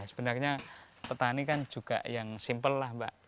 sebenarnya petani kan juga yang simpel lah pak